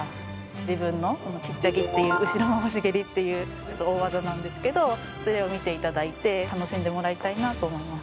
自分のチッチャギっていう後ろ回し蹴りっていう大技なんですけどそれを見て頂いて楽しんでもらいたいなと思います。